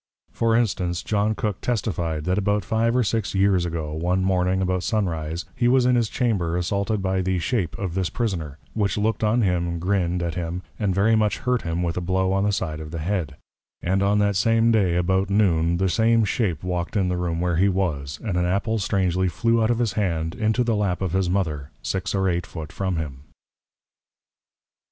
For Instance, John Cook testifi'd, That about five or six Years ago, one Morning, about Sun Rise, he was in his Chamber assaulted by the Shape of this Prisoner: which look'd on him, grinn'd at him, and very much hurt him with a Blow on the side of the Head: and that on the same day, about Noon, the same Shape walked in the Room where he was, and an Apple strangely flew out of his Hand, into the Lap of his Mother, six or eight Foot from him.